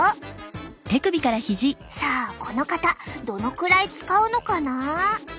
さあこの方どのくらい使うのかな？